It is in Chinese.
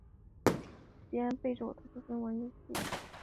二丁目在洗足池站东侧。